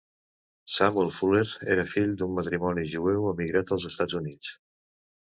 Samuel Fuller era fill d’un matrimoni jueu emigrat als Estats Units.